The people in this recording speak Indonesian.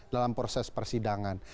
dalam proses persidangan